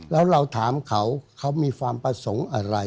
แล้วเราถามเขาเขามีความประสงค์อะไร